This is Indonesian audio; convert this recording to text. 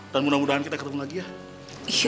dan semoga kita ketemu lagi ya